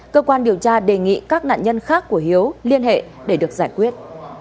cơ quan điều tra đề nghị các nạn nhân khác của hiếu liên hệ để được giải quyết